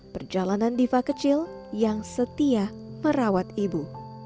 perjalanan diva kecil yang setia merawat ibu